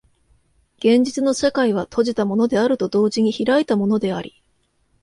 現実の社会は閉じたものであると同時に開いたものであり、